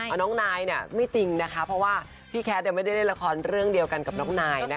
เอาน้องนายไม่จริงนะคะเพราะว่าพี่แคทไม่ได้เล่นละครเรื่องเดียวกันกับน้องนายนะคะ